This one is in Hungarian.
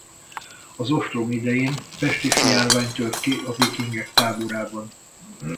Az ostrom idején pestisjárvány tört ki a vikingek táborában.